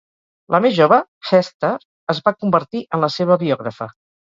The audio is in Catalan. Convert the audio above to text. La més jove, Hester, es va convertir en la seva biògrafa.